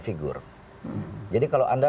figur jadi kalau anda